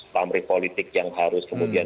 famrih politik yang harus kemudian